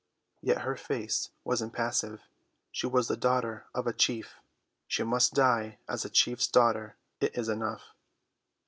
Yet her face was impassive; she was the daughter of a chief, she must die as a chief's daughter, it is enough.